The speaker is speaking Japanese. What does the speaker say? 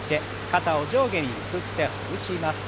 肩を上下にゆすってほぐします。